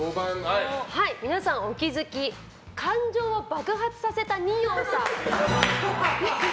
皆さんお気づき感情を爆発させた二葉さん。